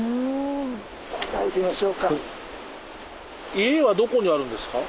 家はどこにあるんですか？